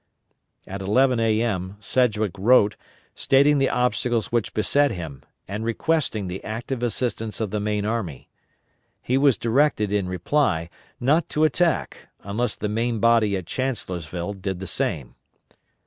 At 11 A.M., Sedgwick wrote, stating the obstacles which beset him, and requesting the active assistance of the main army. He was directed, in reply, not to attack, unless the main body at Chancellorsville did the same.